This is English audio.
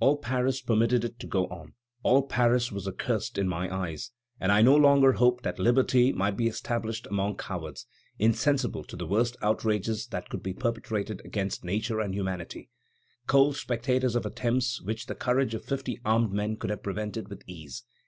All Paris permitted it to go on. All Paris was accursed in my eyes, and I no longer hoped that liberty might be established among cowards, insensible to the worst outrages that could be perpetrated against nature and humanity, cold spectators of attempts which the courage of fifty armed men could have prevented with ease....